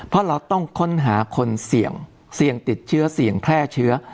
เพราะเราต้องค้นหาคนเสี่ยงเสี่ยงติดเชื้อเสี่ยงแพร่เชื้อ